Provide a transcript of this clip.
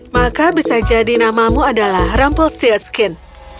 maka bisa jadi namamu adalah rumpel silkskin